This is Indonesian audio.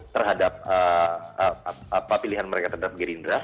terhadap pilihan mereka terhadap gerindra